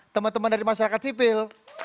teman teman dari masyarakat sipil